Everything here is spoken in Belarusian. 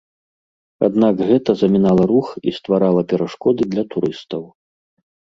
Аднак гэта замінала рух і стварала перашкоды для турыстаў.